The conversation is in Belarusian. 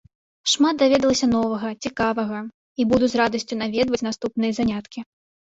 Шмат даведалася новага, цікавага, і буду з радасцю наведваць наступныя заняткі.